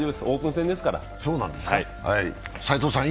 オープン戦ですから。